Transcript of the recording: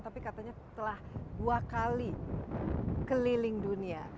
tapi katanya telah dua kali keliling dunia